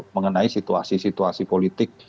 mengenai situasi situasi politik